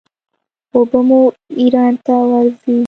اوبه مو ایران ته ورځي.